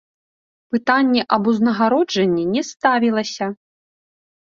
Пытанне аб узнагароджанні не ставілася.